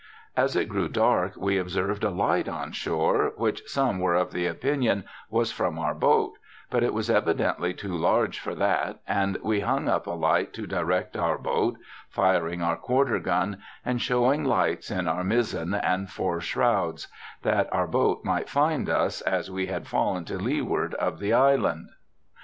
As it grew dark we observed a light on shore, wnich some were of the opinion was from our boat, but it was evidently too large for that, and we hung up a light to direct our 22 BIOGRAPHICAL ESSAYS boat, firing: our quarter gun, and showing lights in our mizen and fore snrouds, that our boat might find us, as we had fallen to leeward of the island.